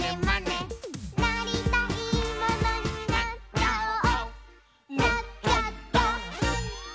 「なっちゃった！」